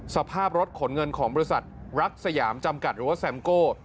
สภาพรถขนเงินของบริษัทรักสยามจำกัดหรือว่าแซมโก้